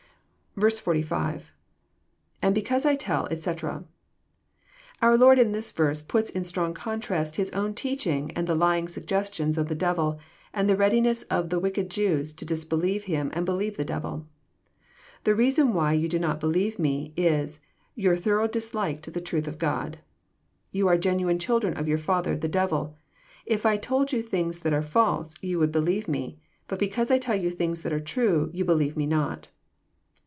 15. — lAnd because I tell, etc."] Our Lord in this verse puts in strong contrast His own teaching and the lying suggestions of the devil, and the readiness of the wicked Jews to disbelieve Him and believe the devil. —The reason why you do not be* lieve Me is, your thorough dislike to the truth of God. You are genuine children of your father the devil. If I told you things that are false, ye would believe Me. But because I tell you things that are true, you believe me not.'